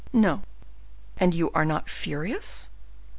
"No." "And you are not furious?"